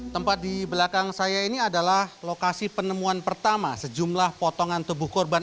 tempat di belakang saya ini adalah lokasi penemuan pertama sejumlah potongan tubuh korban